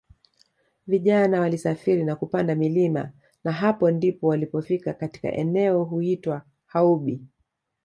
vijana walisafiri na kupanda milima na hapo ndipo walipofika katika eneo huitwa Haubi